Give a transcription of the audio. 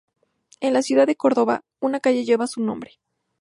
En la ciudad de Córdoba, una calle lleva su nombre.